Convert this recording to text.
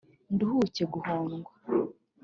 Nduhuke guhondwa